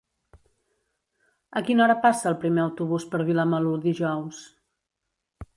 A quina hora passa el primer autobús per Vilamalur dijous?